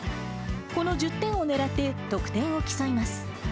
この１０点をねらって、得点を競います。